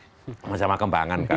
sama sama kembangan kan